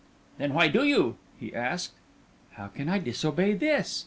"Then why do you?" he asked. "How can I disobey this?"